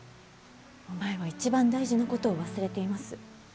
お前は一番大事なことを忘れています。